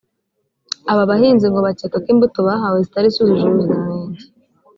Aba bahinzi ngo bakeka ko imbuto bahawe zitari zujuje ubuziranenge